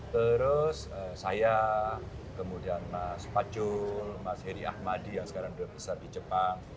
terus saya kemudian mas pacul mas heri ahmadi yang sekarang sudah besar di jepang